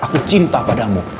aku cinta padamu